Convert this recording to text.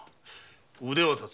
腕はたつ。